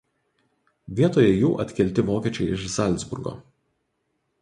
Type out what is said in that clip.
Vietoje jų atkelti vokiečiai iš Zalcburgo.